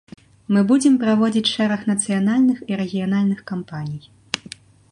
Мы будзем праводзіць шэраг нацыянальных і рэгіянальных кампаній.